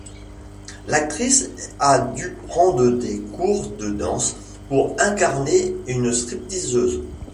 L'actrice a dû prendre des cours de danse pour incarner une stripteaseuse.